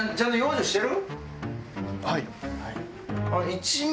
はい。